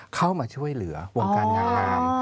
เข้ามาช่วยเหลือวงการนางงาม